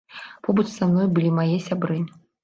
Побач са мной былі мае сябры.